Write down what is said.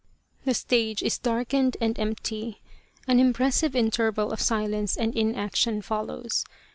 The stage is darkened and empty. An impressive interval of silence and inaction follows.